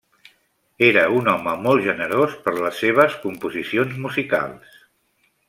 Era un home molt generós per les seves composicions musicals.